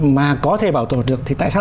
mà có thể bảo tồn được thì tại sao